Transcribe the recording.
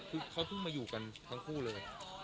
คือเขาเพิ่งมาอยู่กันทั้งคู่เลย